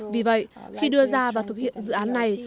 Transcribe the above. vì vậy khi đưa ra và thực hiện dự án này